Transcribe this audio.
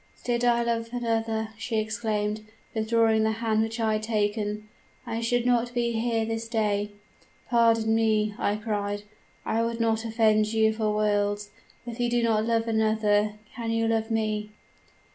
"'Did I love another,' she exclaimed, withdrawing the hand which I had taken, 'I should not be here this day.' "'Pardon me,' I cried; 'I would not offend you for worlds! If you do not love another, can you love me?'